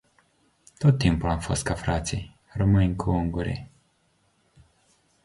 Tot timpul am fost ca frații, românii cu ungurii.